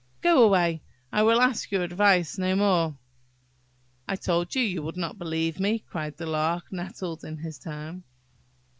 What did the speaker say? Go away! I will ask your advice no more." "I told you you would not believe me," cried the Lark, nettled in his turn.